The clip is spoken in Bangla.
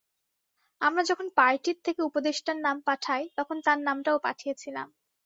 আমরা যখন পার্টির থেকে উপদেষ্টার নাম পাঠাই; তখন তার নামটাও পাঠিয়েছিলাম।